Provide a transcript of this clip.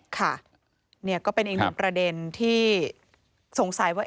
ค่ะนี่ก็เป็นอีกหนึ่งประเด็นที่สงสัยว่า